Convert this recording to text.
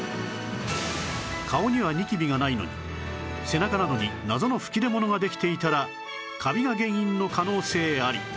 顔にはニキビがないのに背中などに謎の吹き出物ができていたらカビが原因の可能性あり